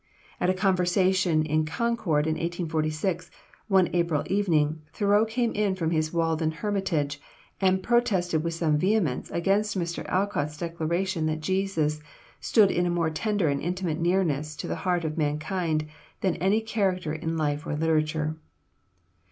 At a conversation in Concord in 1846, one April evening, Thoreau came in from his Walden hermitage, and protested with some vehemence against Mr. Alcott's declaration that Jesus "stood in a more tender and intimate nearness to the heart of mankind than any character in life or literature."